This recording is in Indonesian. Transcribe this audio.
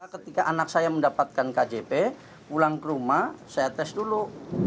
ketika anak saya mendapatkan kjp pulang ke rumah saya tes dulu